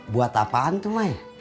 buat apaan tuh mai